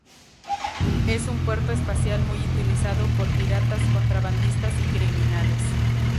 Es un puerto espacial muy utilizado por piratas, contrabandistas y criminales.